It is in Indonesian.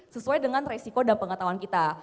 sesuai dengan resiko dan pengetahuan kita